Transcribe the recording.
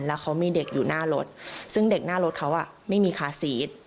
แล้วเขามีเด็กอยู่หน้ารถซึ่งเด็กหน้ารถเขาไม่มีคาซีส